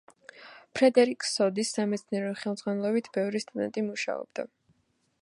ფრედერიკ სოდის სამეცნიერო ხელმძღვანელობით ბევრი სტუდენტი მუშაობდა.